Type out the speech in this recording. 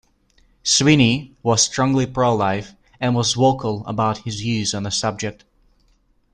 Sweeney was strongly pro-life, and was vocal about his views on the subject.